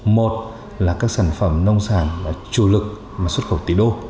một là các sản phẩm nông sản chủ lực mà xuất khẩu tỷ đô